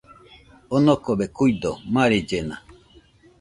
Onokobe kuido, marellena